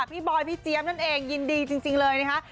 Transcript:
บอยพี่เจี๊ยบนั่นเองยินดีจริงเลยนะคะ